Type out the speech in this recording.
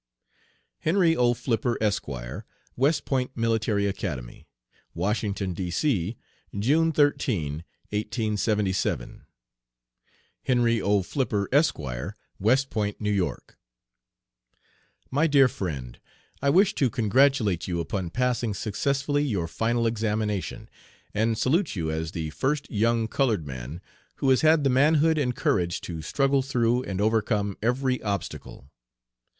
HENRY O. FLIPPER, ESQ., West Point Military Academy. WASHINGTON, D. C., June 13, 1877. HENRY O. FLIPPER, ESQ., West Point, N. Y.: MY DEAR FRIEND: I wish to congratulate you upon passing successfully your final examination, and salute you as the first young colored man who has had the manhood and courage to struggle through and overcome every obstacle.